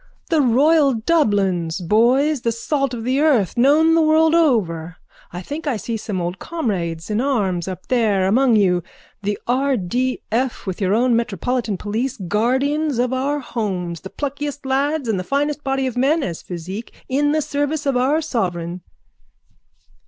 _ The royal Dublins, boys, the salt of the earth, known the world over. I think I see some old comrades in arms up there among you. The R. D. F., with our own Metropolitan police, guardians of our homes, the pluckiest lads and the finest body of men, as physique, in the service of our sovereign.